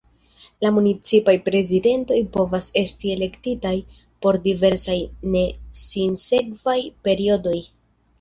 La municipaj prezidentoj povas esti elektitaj por diversaj ne sinsekvaj periodoj.